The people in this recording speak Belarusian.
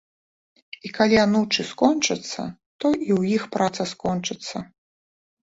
І калі анучы скончацца, то і ў іх праца скончыцца.